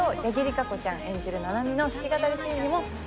可子ちゃん演じる七海の弾き語りシーンにも注目ください。